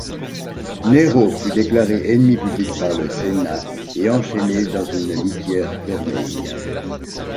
Nero fut déclaré ennemi public par le sénat et enchaîné dans une litière fermée.